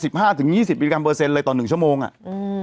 สิบห้าถึงยี่สิบเป็นการเปอร์เซ็นต์เลยตอนหนึ่งชั่วโมงอ่ะอืม